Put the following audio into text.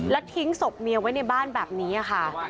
แล้วทิ้งศพเมียไว้ในบ้านแบบนี้ค่ะ